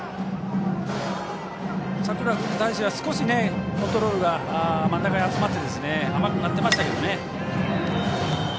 佐倉君に対してはコントロールが真ん中に集まって甘くなっていましたけどね。